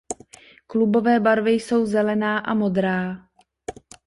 Klubové barvy jsou zelená a modrá.